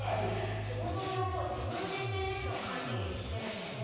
仕事上自分でＳＮＳを管理してるんですね。